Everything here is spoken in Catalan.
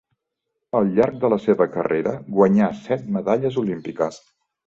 Al llarg de la seva carrera guanyà set medalles olímpiques.